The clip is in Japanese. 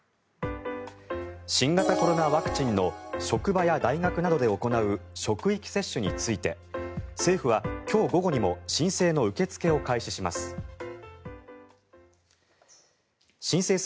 新型コロナワクチンの職場や大学などで行う職域接種について政府は、今日午後にも申請の受け付けを開始します。